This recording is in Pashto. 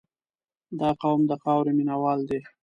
• دا قوم د خاورې مینه وال دي.